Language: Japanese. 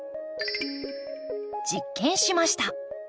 実験しました。